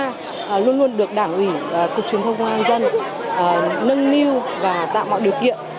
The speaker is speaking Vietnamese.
chúng tôi luôn luôn được đảng ủy cục truyền thông công an nhân nâng lưu và tạo mọi điều kiện